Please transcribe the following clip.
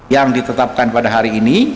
yang ditetapkan pada hari ini